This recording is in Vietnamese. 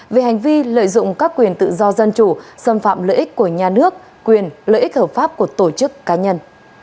về hành vi lợi dụng các quyền tự do dân chủ xâm phạm lợi ích của nhà nước quyền lợi ích hợp pháp của tổ chức cá nhân